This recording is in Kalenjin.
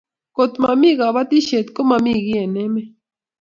kot mami kabatishiet komami kii eng emet